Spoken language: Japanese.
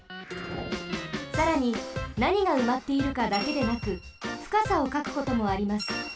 さらになにがうまっているかだけでなくふかさをかくこともあります。